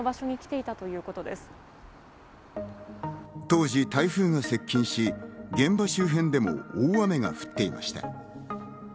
当時台風が接近し、現場周辺でも大雨が降っていました。